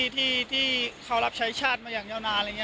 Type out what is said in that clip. ที่เขารับใช้ชาติมาอย่างเยาว์นาน